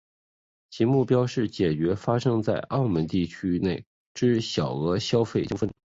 其目标是解决发生在澳门地区内之小额消费纠纷。